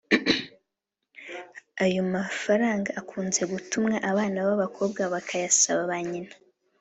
ayo mafaranga akunze gutumwa abana b’abakobwa bakayasaba ba nyina